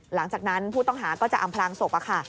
หลังจากนั้นผู้ต้องหาก็จะอำพลางศพค่ะ